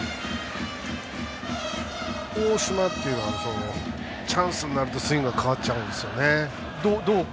大島っていうのはチャンスになるとスイングが変わっちゃうんですね。